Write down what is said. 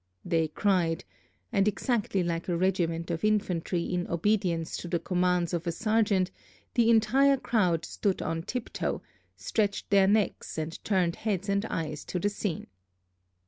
they cried, and exactly like a regiment of infantry in obedience to the commands of a sergeant, the entire crowd stood on tiptoe, stretched their necks, and turned heads and eyes to the scene.